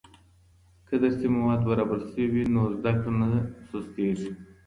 که درسي مواد برابر سوي وي نو زده کړه نه سستيږي.